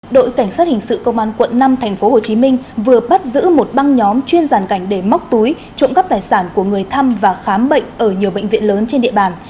đội cảnh sát hình sự công an quận năm tp hcm vừa bắt giữ một băng nhóm chuyên giàn cảnh để móc túi trộm cắp tài sản của người thăm và khám bệnh ở nhiều bệnh viện lớn trên địa bàn